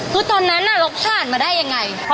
คือตอนนั้นน่ะลดต้านมาได้ยังไง